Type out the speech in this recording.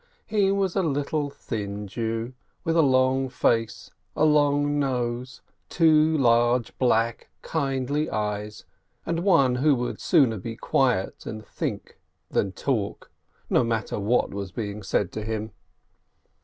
He was a little, thin Jew with a long face, a long nose, two large, black, kindly eyes, and one who would sooner be silent and think than talk, no mat ter what was being said to him.